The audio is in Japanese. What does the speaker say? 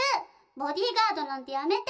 ボディーガードなんてやめて！